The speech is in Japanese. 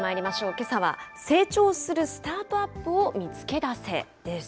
けさは、成長するスタートアップを見つけ出せです。